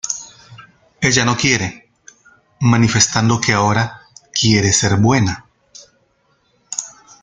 Ella no quiere, manifestando que ahora "quiere ser buena".